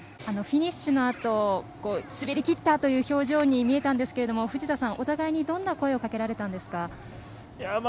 フィニッシュのあと滑りきった！という表情に見えたんですけれども藤田さん、お互いにどんな声をかけられたんですか。